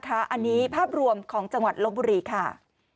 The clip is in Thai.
อันนี้ภาพรวมของจังหวัดลบบุรีค่ะ